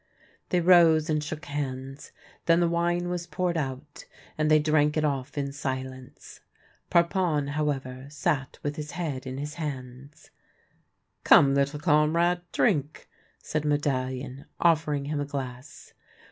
They rose and shook hands, then the wine was poured out, and they drank it off in silence. Parpon, however, sat with his head in his hands. " Come, little comrade, drink," said Medallion, offer ing him a glass.